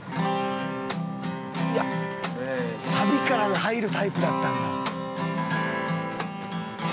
サビから入るタイプだったんだ。